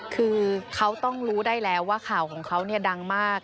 คือเขาต้องรู้ได้แล้วว่าข่าวของเขาดังมาก